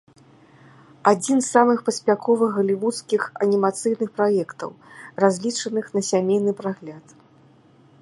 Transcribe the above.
Адзін з самых паспяховых галівудскіх анімацыйных праектаў, разлічаных на сямейны прагляд.